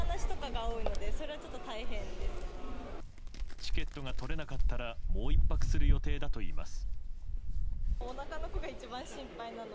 チケットが取れなかったらもう１泊する予定だといいます。